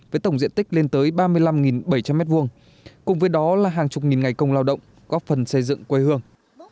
với tổng diện tích lên tới ba mươi năm bảy trăm linh m hai cùng với đó là hàng chục nghìn ngày công lao động góp phần xây dựng quê hương